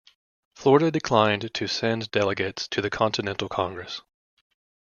Florida declined to send delegates to the Continental Congress.